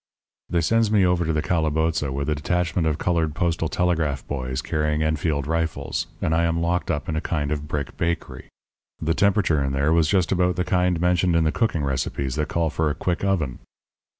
"They sends me over to the calaboza with a detachment of coloured postal telegraph boys carrying Enfield rifles, and I am locked up in a kind of brick bakery. The temperature in there was just about the kind mentioned in the cooking recipes that call for a quick oven.